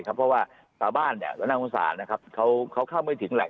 ครับเพราะว่าสาวบ้านเนี่ยตอนนักโฆษานะครับเขาเข้าไปถึงแหละ